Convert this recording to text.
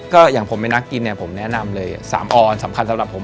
ก็อย่างผมเป็นนักกินเนี่ยผมแนะนำเลย๓ออนสำคัญสำหรับผม